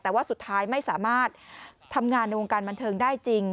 แต่ว่าสุดท้ายไม่สามารถทำงานในวงการบันเทิงได้จริง